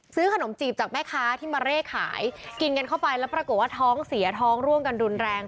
ซื้อขนมจีบจากแม่ค้าที่มาเร่ขายกินกันเข้าไปแล้วปรากฏว่าท้องเสียท้องร่วมกันรุนแรง